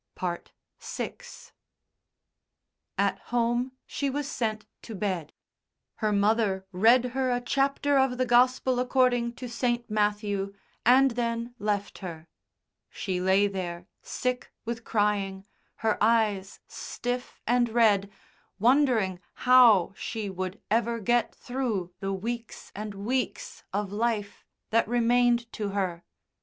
VI At home she was sent to bed. Her mother read her a chapter of the Gospel according to St. Matthew, and then left her; she lay there, sick with crying, her eyes stiff and red, wondering how she would ever get through the weeks and weeks of life that remained to her.